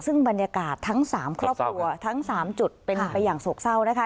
ซึ่งบรรยากาศทั้ง๓ครอบครัวทั้ง๓จุดเป็นไปอย่างโศกเศร้านะคะ